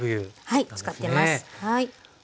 はい使ってます。